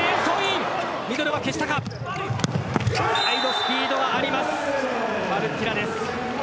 スピードがありますマルッティラです。